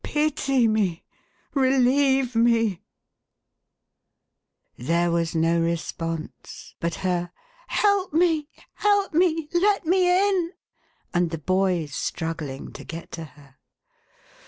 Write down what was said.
Pity me ! Relieve me !"" There was no response, but her " Help me, help me, let me in !" and the boy's struggling to get to her.